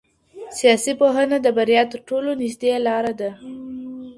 سیاست پوهنه د بریا تر ټولو نژدې لار ده.